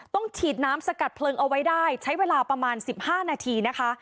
ฉีดน้ำสกัดเพลิงเอาไว้ได้ใช้เวลาประมาณ๑๕นาทีนะคะ